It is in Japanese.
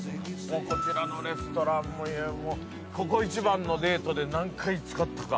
もうこちらのレストランもここ一番のデートで何回使ったか。